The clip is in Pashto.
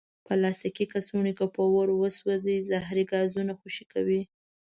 پلاستيکي کڅوړې که په اور وسوځي، زهري ګازونه خوشې کوي.